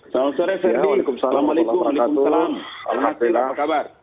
selamat sore fendi assalamualaikum assalamualaikum assalamualaikum assalamualaikum apa kabar